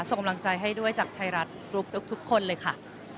ส่งกำลังใจให้ด้วยจากไทยรัฐกรุ๊ปทุกคนเลยค่ะ